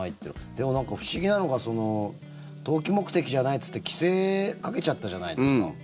でも不思議なのは投機目的じゃないといって規制かけちゃったじゃないですか。